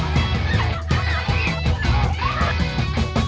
boleh ganti senyum kita baterain di sana